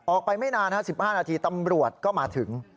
ไม่นาน๑๕นาทีตำรวจก็มาถึง